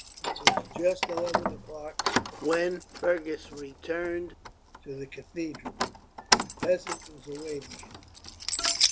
It was just eleven o'clock when Fergus returned to the cathedral. The peasant was awaiting him.